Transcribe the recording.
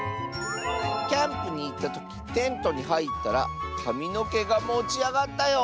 「キャンプにいったときテントにはいったらかみのけがもちあがったよ！」。